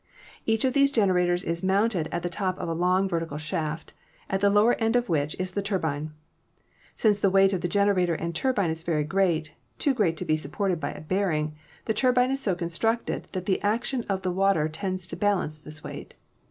Each of these generators is mounted at the top of a long, vertical shaft, at the lower end of which is the turbine. Since the weight of the generator and turbine is very great, too great to be supported by a bearing, the turbine is so constructed that the action of the water tends to balance this weight.